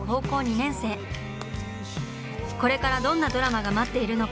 これからどんなドラマが待っているのか